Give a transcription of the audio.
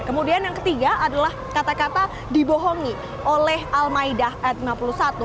kemudian yang ketiga adalah kata kata dibohongi oleh al maidah ayat lima puluh satu